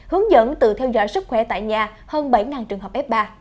hướng dẫn tự theo dõi sức khỏe tại nhà hơn bảy trường hợp f ba